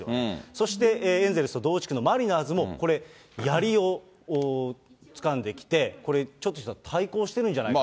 そしてエンゼルスと同地区のマリナーズも、これ、やりをつかんできて、これ、ちょっと対抗してるんじゃないかと。